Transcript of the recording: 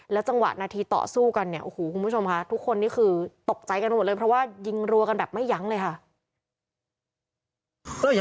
จังหวะนาทีต่อสู้กันเนี่ยโอ้โหคุณผู้ชมค่ะทุกคนนี่คือตกใจกันหมดเลยเพราะว่ายิงรัวกันแบบไม่ยั้งเลยค่ะ